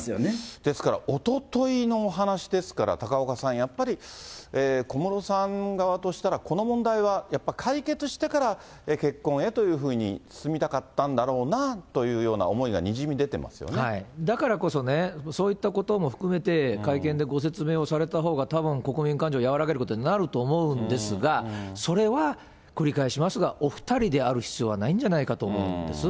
ですから、おとといのお話ですから、高岡さん、やっぱり、小室さん側としたら、この問題は、やっぱ解決してから結婚へというふうに進みたかったんだろうなとだからこそね、そういったことも含めて、会見でご説明をされたほうがたぶん、国民感情、和らげることになると思うんですが、それは、繰り返しますが、お２人である必要はないんじゃないかと思うんです。